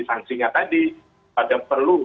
sanksinya tadi pada perlu